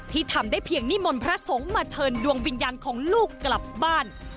ทำได้เพียงนิมนต์พระสงฆ์มาเชิญดวงวิญญาณของลูกกลับบ้าน